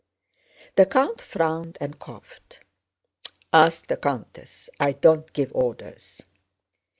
The count frowned and coughed. "Ask the countess, I don't give orders."